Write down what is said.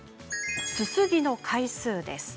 すすぎの回数です。